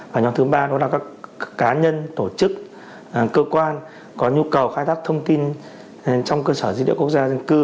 và nhóm thứ ba đó là các cá nhân tổ chức cơ quan có nhu cầu khai thác thông tin trong cơ sở dữ liệu quốc gia dân cư